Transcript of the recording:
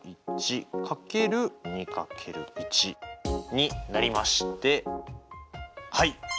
になりましてはい。